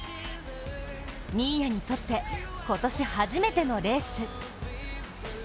新谷にとって、今年初めてのレース。